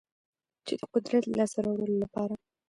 چې د قدرت لاسته راوړلو لپاره